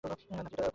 নাকি এটা পারে?